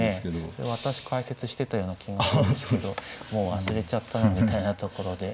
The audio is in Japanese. それ私解説してたような気もするんですけどもう忘れちゃったなみたいなところで。